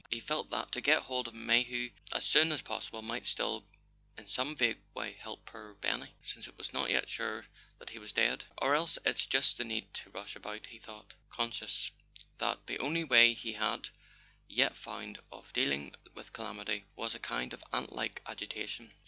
He felt that to get hold of Mayhew as soon as possible might still in some vague way help poor Benny—since it was not yet sure that he was dead. "Or else it's just the need to rush about," he thought, [ 200 ] A SON AT THE FRONT conscious that the only way he had yet found of deal¬ ing with calamity was a kind of ant like agitation.